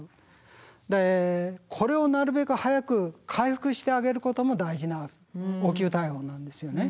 これをなるべく早く回復してあげることも大事な応急対応なんですよね。